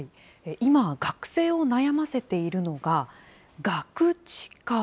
今、学生を悩ませているのが、ガクチカ。